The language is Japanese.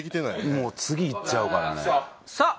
もう次いっちゃうからねさあ